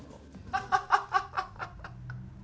アハハハハハハ！